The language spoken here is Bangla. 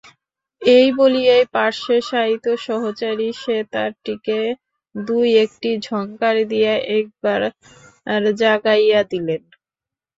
এই বলিয়াই পার্শ্বে শায়িত সহচরী সেতারটিকে দুই-একটি ঝংকার দিয়া একবার জাগাইয়া দিলেন।